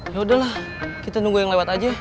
yaudahlah kita nunggu yang lewat aja